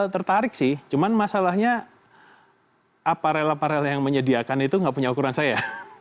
tertarik sih cuman masalahnya aparel aparel yang menyediakan itu nggak punya ukuran saya